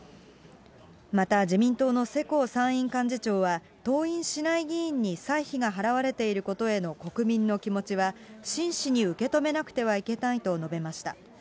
また自民党の世耕参院幹事長は、登院しない議員に歳費が払われていることへの、国民の気持ちは真摯に受け止めなくてはいけないと述べました。